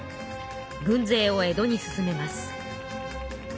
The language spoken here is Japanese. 軍勢を江戸に進めます。